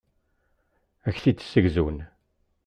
Ad ak-t-id-ssegzun.